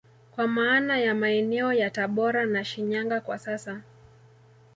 Kwa maana ya maeneo ya tabora na Shinyanga kwa sasa